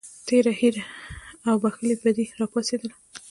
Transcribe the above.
تېره هیره او بښلې بدي راپاڅېدله.